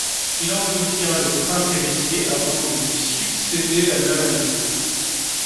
Il en devient le prince héritier avant de lui succéder la même année.